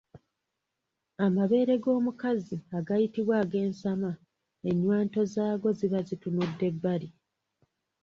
Amabeere g’omukazi agayitibwa ag’ensama ennywanto zaago ziba zitunudde bbali.